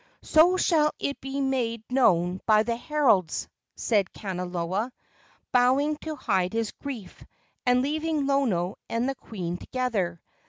"So shall it be made known by the heralds," said Kanaloa, bowing to hide his grief, and leaving Lono and the queen together.